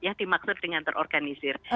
yang dimaksud dengan terorganisir